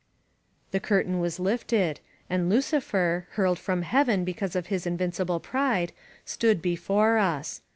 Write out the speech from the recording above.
The curtain was lifted, and Lucifer^ hurled from Heaven because of his invincible pride, stood before us.